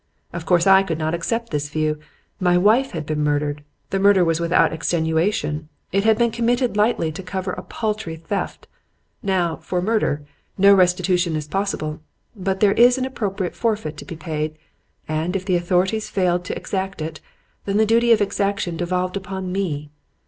"Of course I could not accept this view. My wife had been murdered. The murder was without extenuation. It had been committed lightly to cover a paltry theft. Now, for murder, no restitution is possible. But there is an appropriate forfeit to be paid; and if the authorities failed to exact it, then the duty of its exaction devolved upon me.